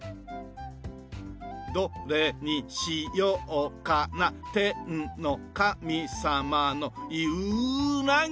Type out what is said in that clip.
どれにしようかなてんのかみさまのいうなぎ！